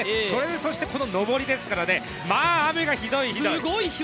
それでそしてこの上りですからね、まあ雨がひどいひどい。